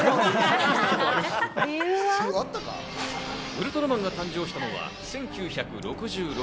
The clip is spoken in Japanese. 『ウルトラマン』が誕生したのは１９６６年。